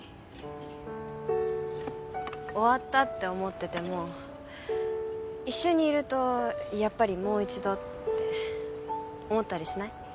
終わったって思ってても一緒にいるとやっぱりもう一度って思ったりしない？